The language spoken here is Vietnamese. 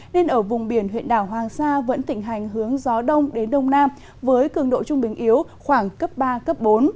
nên ở vùng biển huyện đảo hoàng sa vẫn tỉnh hành hướng gió đông đến đông nam với cường độ trung bình yếu khoảng cấp ba cấp bốn